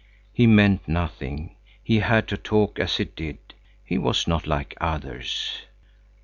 He meant nothing. He had to talk as he did. He was not like others.